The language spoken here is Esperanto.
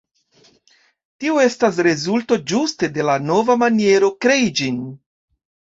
Tio estas rezulto ĝuste de la nova maniero krei ĝin.